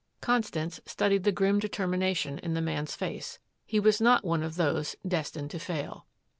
Constance studied the grim determination in the man's face. He was not one of those destined to fail.